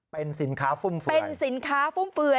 เป็นสินค้าฟุ่มเฟือย